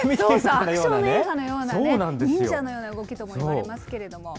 アクション映画のような、忍者のような動きとも言われますけれども。